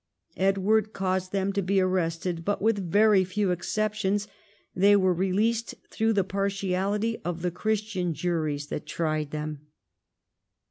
Edward caused them to be arrested, but, with a very few exceptions, they were released through the partiality of the Christian juries that tried them.